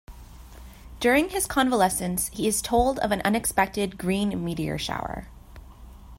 During his convalescence he is told of an unexpected green meteor shower.